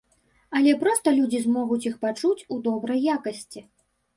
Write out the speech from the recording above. Але проста людзі змогуць іх пачуць у добрай якасці.